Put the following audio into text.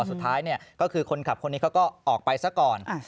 สุดท้ายก็คือคนขับคนนี้เขาก็ออกไปซะก่อน